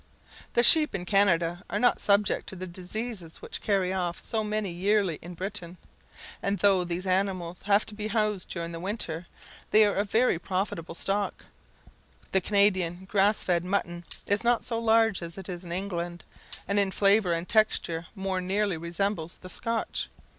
The sheep in Canada are not subject to the diseases which carry off so many yearly in Britain; and though these animals have to be housed during the winter, they are a very profitable stock. The Canadian grass fed mutton is not so large as it is in England, and in flavour and texture more nearly resembles the Scotch.